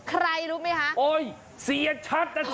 ใครรู้ไหมคะโอ๊ยเสียชัดน่ะเฟ้